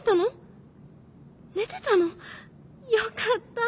寝てたの？よかった」。